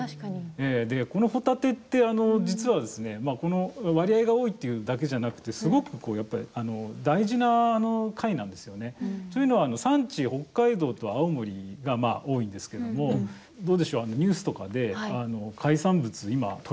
このホタテって、実はですね割合が多いというだけじゃなくてすごく大事な貝なんですよね。というのは、産地北海道と青森が多いんですけどもどうでしょう、ニュースとかで海産物、今、取れ方とか。